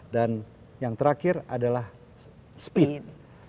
dan yang terakhir adalah speed